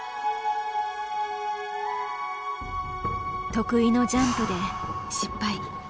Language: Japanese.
得意のジャンプで失敗。